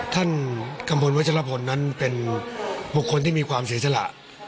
ท่านกำพลวัจฌาพลนั้นเป็นบุคคลที่มีความสศละ